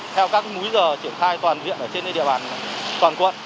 theo các múi giờ triển khai toàn diện ở trên địa bàn toàn quận